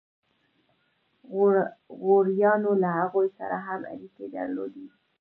غوریانو له هغوی سره هم اړیکې درلودې.